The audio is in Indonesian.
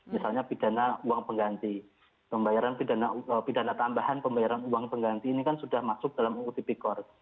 misalnya pidana uang pengganti pidana tambahan pembayaran uang pengganti ini kan sudah masuk dalam uu tpkor